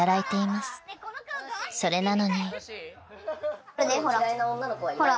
［それなのに］